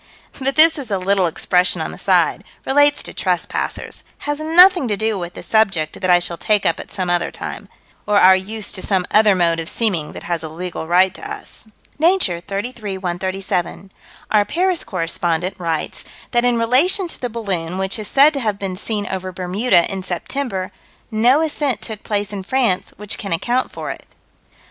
But this is a little expression on the side: relates to trespassers; has nothing to do with the subject that I shall take up at some other time or our use to some other mode of seeming that has a legal right to us. Nature, 33 137: "Our Paris correspondent writes that in relation to the balloon which is said to have been seen over Bermuda, in September, no ascent took place in France which can account for it."